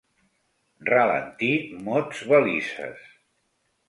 Ralentir: mots-valises!.